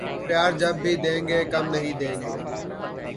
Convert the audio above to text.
پیار جب بھی دینگے کم نہیں دینگے